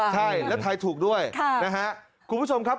ใช่แล้วทายถูกด้วยนะฮะคุณผู้ชมครับ